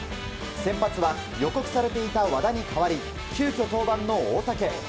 先発は予告されていた和田に代わり急きょ登板の大竹。